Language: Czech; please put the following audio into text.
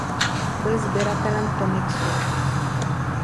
Byl sběratelem komiksů.